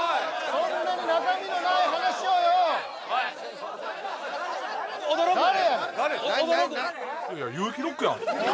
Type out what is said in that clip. そんなに中身のない話をよ驚くなよ